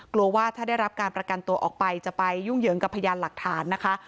กลัวว่าถ้าได้รับการประกันตัวออกไปจะไปยุ่งเหยิงกับพยานหลักฐานนะคะ